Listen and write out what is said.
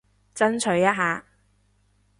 爭取一下